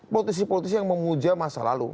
politisi politisi yang memuja masa lalu